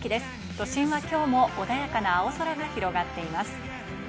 都心は今日も穏やかな青空が広がっています。